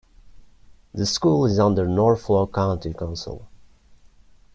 The school is under Norfolk County Council.